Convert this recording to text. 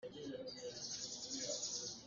Kan buh cu a ngah in a ngap ko.